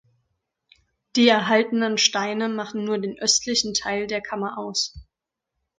Die erhaltenen Steine machen nur den östlichen Teil der Kammer aus.